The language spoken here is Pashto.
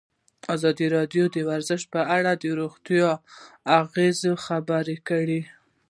ازادي راډیو د ورزش په اړه د روغتیایي اغېزو خبره کړې.